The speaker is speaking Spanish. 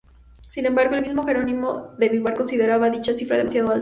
Sin embargo, el mismo Jerónimo de Vivar consideraba dicha cifra demasiado alta.